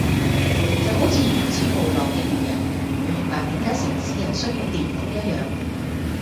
就好似原始部落嘅獵人唔會明白點解城市人需要電腦一樣